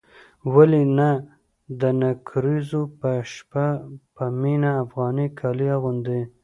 ولې نه د نکريزو په شپه به مينه افغاني کالي اغوندي.